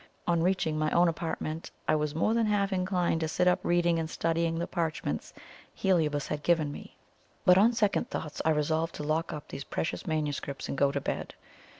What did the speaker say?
On reaching my own apartment, I was more than half inclined to sit up reading and studying the parchments Heliobas had given me; but on second thoughts I resolved to lock up these precious manuscripts and go to bed.